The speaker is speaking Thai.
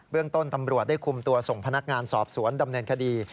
เรื่องต้นตำรวจได้คุมตัวส่งพนักงานสอบสวนดำเนินคดี